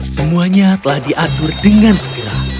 semuanya telah diatur dengan segera